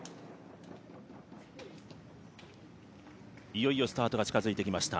いよいよスタートが近づいてきました。